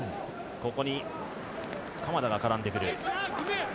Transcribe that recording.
ここに鎌田が絡んでくる。